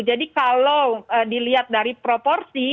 jadi kalau dilihat dari proporsi